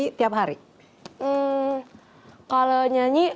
aku juga pengen nyanyi